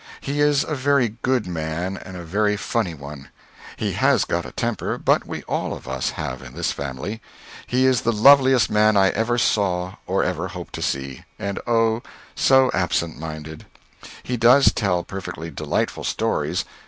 He is a very good man and a very funny one. He has got a temper, but we all of us have in this family. He is the loveliest man I ever saw or ever hope to see and oh, so absent minded. He does tell perfectly delightful stories.